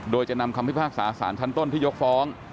โดยจะนำคำพิพากษาสารชั้นต้นที่ยกฟ้อง